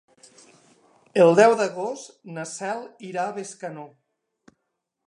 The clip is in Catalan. El deu d'agost na Cel irà a Bescanó.